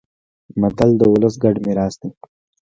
متل د ولس ګډ میراث دی